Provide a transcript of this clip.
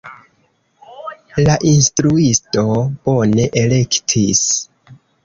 La instruisto bone elektis.